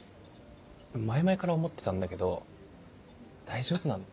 前々から思ってたんだけど大丈夫なの？